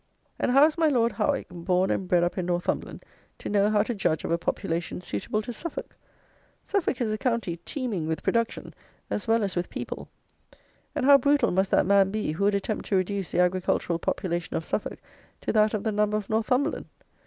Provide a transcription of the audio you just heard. And how is my Lord Howick, born and bred up in Northumberland, to know how to judge of a population suitable to Suffolk? Suffolk is a county teeming with production, as well as with people; and how brutal must that man be who would attempt to reduce the agricultural population of Suffolk to that of the number of Northumberland!